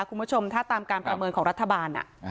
คุณผู้ชมถ้าตามการประเมินของรัฐบาล